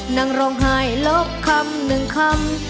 นั่งร้องไห้ลบคำหนึ่งคำ